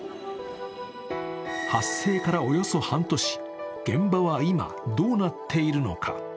発生からおよそ半年、現場は今どうなっているのか。